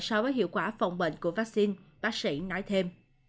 so với hiệu quả phòng bệnh của vaccine bác sĩ nói thêm